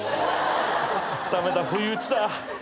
駄目だ不意打ちだ。